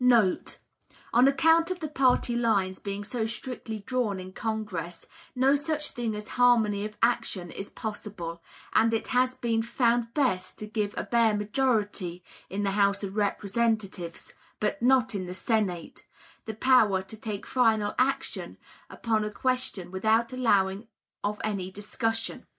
* [On account of the party lines being so strictly drawn in Congress, no such thing as harmony of action is possible, and it has been found best to give a bare majority in the House of Representatives (but not in the Senate) the power to take final action upon a question without allowing of any discussion.